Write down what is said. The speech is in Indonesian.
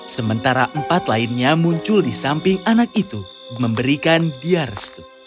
sementara empat lainnya muncul di samping anak itu memberikan dia restu